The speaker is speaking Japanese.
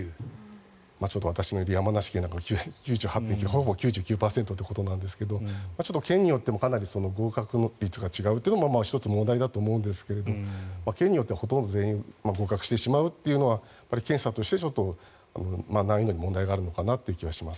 ちょっと私のいる山梨県は８８．９％ということですが県によってもかなり合格率が違うのも１つ問題だと思うんですが県によってはほとんど全員合格してしまうというのは難易度に問題があるのかなと。